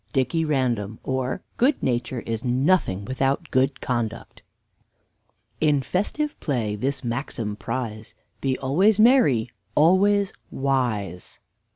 DICKY RANDOM OR GOOD NATURE IS NOTHING WITHOUT GOOD CONDUCT "In festive play this maxim prize Be always merry always WISE!"